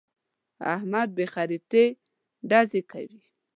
احمد بې خريطې ډزې کوي.